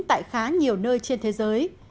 tại khá nhiều nơi trên thế giới